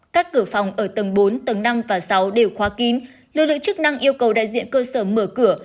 các cửa phòng ở tầng bốn tầng năm và sáu đều khóa kín lực lượng chức năng yêu cầu đại diện cơ sở mở cửa